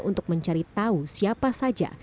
untuk mencari tahu siapa saja